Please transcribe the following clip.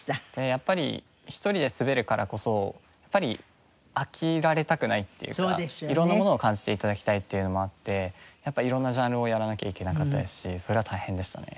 やっぱり１人で滑るからこそやっぱり飽きられたくないっていうか色んなものを感じて頂きたいっていうのもあってやっぱ色んなジャンルをやらなきゃいけなかったですしそれは大変でしたね。